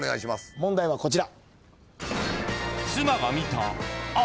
問題はこちら。